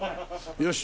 よし。